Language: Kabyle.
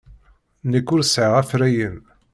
Nekk ur sɛiɣ afrayen.